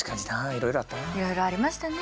いろいろありましたね。